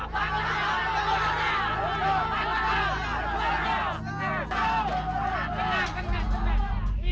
tentang tentang tentang